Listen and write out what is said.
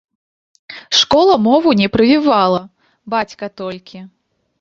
Школа мову не прывівала, бацька толькі.